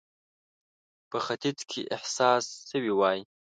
په ختیځ کې احساس سوې وای.